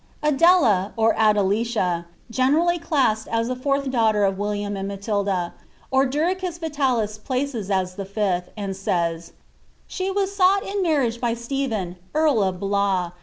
Adela, or Adelicia, generally classed as the fourth daughter of William and MatddB, Ordericus Vitalis places as the fifili, and aavs, " She «1> sought in marriage by Stephen earl of Blois.